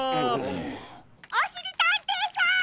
おしりたんていさん！